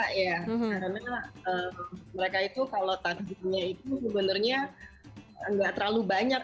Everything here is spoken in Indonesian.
karena mereka itu kalau tarifannya itu sebenarnya gak terlalu banyak